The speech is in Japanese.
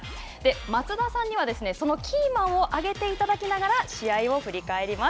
松田さんにはこのキーマンを挙げていただきながら、試合を振り返ります。